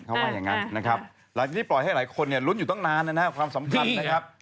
หลังจากนี้ปล่อยให้หลายคนล้นอยู่ตั้งนานความสำคัญนะครับ